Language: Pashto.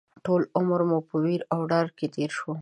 ټول عمر مو په وېره او ډار کې تېر شو